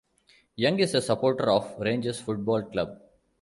Young is a supporter of Rangers football club.